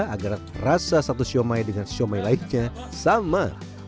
agar rasa satu somai dengan somai lainnya sama